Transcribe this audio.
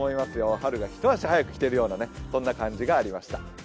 春がひと足早く来ているような感じがしました。